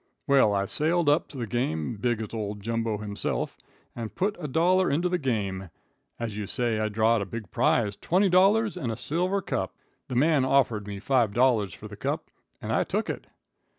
Well, I sailed up to the game, big as old Jumbo himself, and put a dollar into the game. As you say, I drawed a big prize, $20 and a silver cup. The man offered me $5 for the cup and I took it."